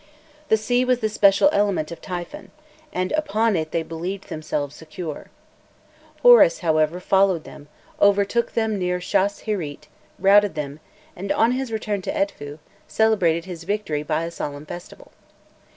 The sea was the special element of Typhon, and upon it they believed themselves secure. Horus, however, followed them, overtook them near Shas hirît, routed them, and on his return to Edfu, celebrated his victory by a solemn festival.